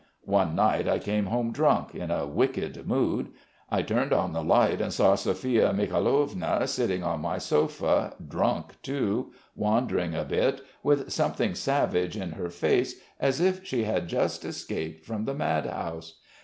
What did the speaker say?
One night I came home drunk, in a wicked mood.... I turned on the light and saw Sophia Mikhailovna sitting on my sofa, drunk too, wandering a bit, with something savage in her face as if she had just escaped from the mad house.